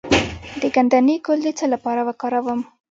د ګندنه ګل د څه لپاره وکاروم؟